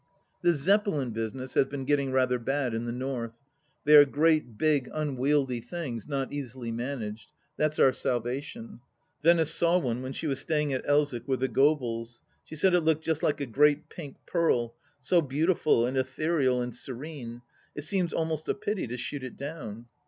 The Zeppelin business has been getting rather bad in the North. They are great, big, unwieldy things, not easily managed ; that's our salvation. Venice saw one when she was staying at Elswick with the Gobies ; she said it looked just a great pink pearl, so beautiful and ethereal and serene, it seems almost a pity to shoot it down